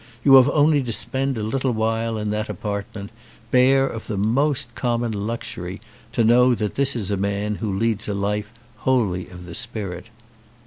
You have only to spend a little while in that apartment bare of the most common luxury to know that this is a man who leads a life wholly of the spirit.